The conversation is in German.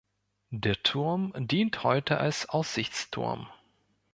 Der Turm dient heute als Aussichtsturm.